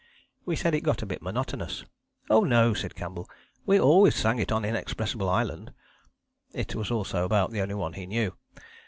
We said it got a bit monotonous. "Oh no," said Campbell, "we always sang it on Inexpressible Island." It was also about the only one he knew.